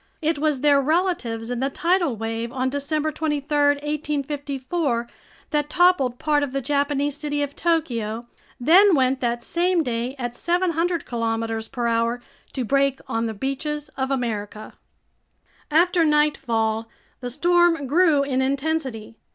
It was their relatives in the tidal wave on December 23, 1854, that toppled part of the Japanese city of Tokyo, then went that same day at 700 kilometers per hour to break on the beaches of America. After nightfall the storm grew in intensity.